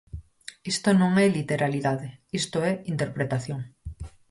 Isto non é literalidade, isto é interpretación.